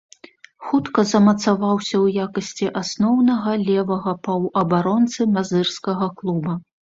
Хутка замацаваўся ў якасці асноўнага левага паўабаронцы мазырскага клуба.